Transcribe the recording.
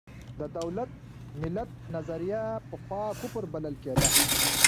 د دولت–ملت نظریه پخوا کفر بلل کېده.